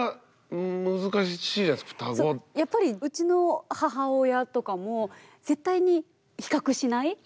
やっぱりうちの母親とかも絶対に比較しない。